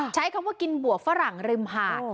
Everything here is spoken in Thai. ใช้คำว่ากินบวกฝรั่งริมหาด